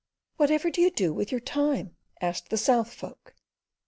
"Whatever do you do with your time?" asked the South folk.